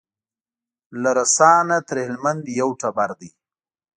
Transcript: له رسا نه تر هلمند یو ټبر دی